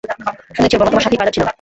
শুনেছি ওর বাবা তোমার সাথী পাইলট ছিল।